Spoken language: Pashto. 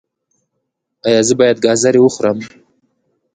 ایا زه باید ګازرې وخورم؟